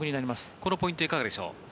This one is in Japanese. このポイントいかがでしょう。